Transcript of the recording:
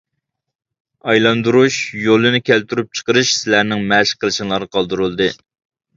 ئايلاندۇرۇش يولىنى كەلتۈرۈپ چىقىرىش سىلەرنىڭ مەشىق قىلىشىڭلارغا قالدۇرۇلدى.